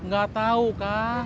gak tau kang